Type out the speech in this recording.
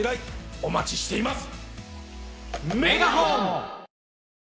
お待ちしています！